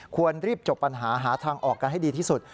ควรรีบจบปัญหาหาทางออกกันให้ดีที่สุด